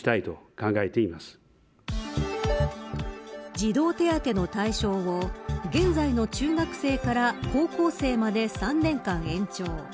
児童手当の対象を現在の中学生から高校生まで３年間延長。